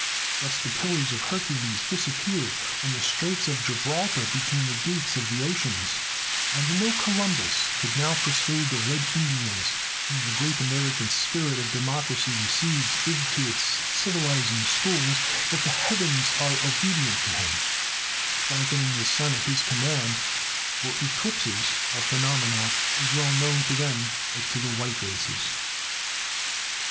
Thus the Pillars of Hercules disappeared when the Straits of Gibraltar became the gates of the oceans; and no Columbus could now persuade the Red Indians, whom the great American spirit of democracy receives into its civilizing schools, that the heavens are obedient to him, darkening the sun at his command; for eclipses are phenomena as well known to them as to the white races.